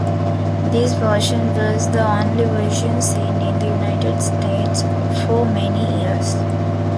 This version was the only version seen in the United States for many years.